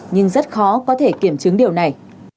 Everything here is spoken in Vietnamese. nhưng rất khó có thể kiểm chứng điều này